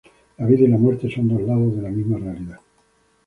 La vida y la muerte son dos lados de la misma realidad.